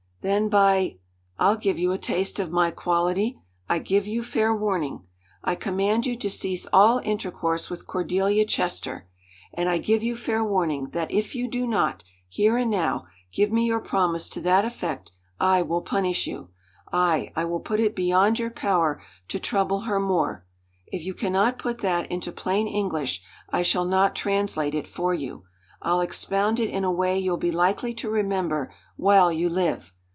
"Then, by ! I'll give you a taste of my quality. I give you fair warning. I command you to cease all intercourse with Cordelia Chester! And I give you fair warning that if you do not, here and now, give me your promise to that effect, I will punish you! Aye, I will put it beyond your power to trouble her more! If you can not put that into plain English I shall not translate it for you. I'll expound it in a way you'll be likely to remember while you live!